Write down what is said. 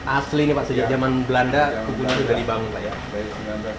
asli ini pak sejak zaman belanda kubunya sudah dibangun pak ya